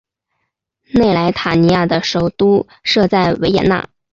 内莱塔尼亚的首都设在维也纳。